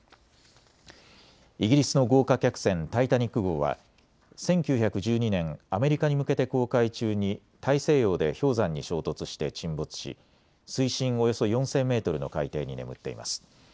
イギリスの豪華客船、タイタニック号は１９１２年、アメリカに向けて航海中に大西洋で氷山に衝突して沈没し水深およそ４０００メートルの海底に眠っています。